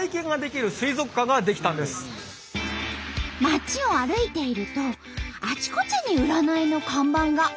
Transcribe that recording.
街を歩いているとあちこちに占いの看板が。